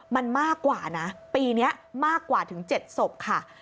มันมากกว่านะปีนี้มากกว่าถึง๗ศพค่ะ